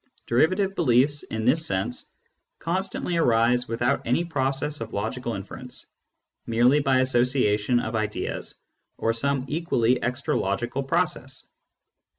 • Derivative beliefs in this sense constantly arise without any process of logical inference, merely by association of ideas or some equally extra logical process.